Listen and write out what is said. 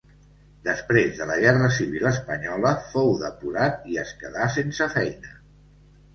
Després de la guerra civil espanyola fou depurat i es quedà sense feina.